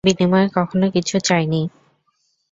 বিনিময়ে কখনও কিছু চায়নি।